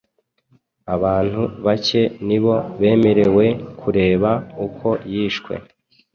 Abantu bake ni bo bemerewe kureba uko yishwe